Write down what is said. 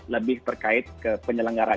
lebih terkait ke penyelenggaraan